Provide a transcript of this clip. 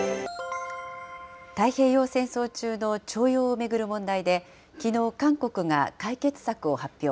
太平洋戦争中の徴用を巡る問題で、きのう、韓国が解決策を発表。